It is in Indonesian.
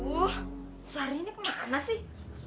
oh sari ini kemana sih